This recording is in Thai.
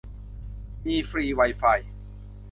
มีฟรีไวไฟ